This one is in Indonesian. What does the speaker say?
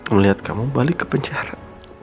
melihat kamu balik ke penjara